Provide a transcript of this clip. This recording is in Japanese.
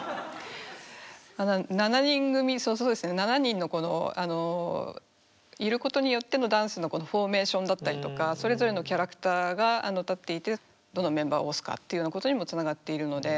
７人いることによってのダンスのフォーメーションだったりとかそれぞれのキャラクターが立っていてどのメンバーを推すかっていうようなことにもつながっているので。